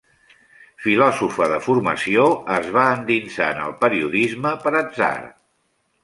Filòsofa de formació, es va endinsar en el periodisme per atzar.